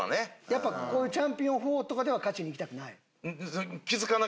やっぱこういう「チャンピオン４」とかでは勝ちにいきたくない？